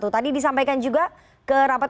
tadi disampaikan juga ke rapat